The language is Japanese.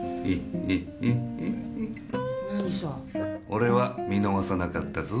俺は見逃さなかったぞ。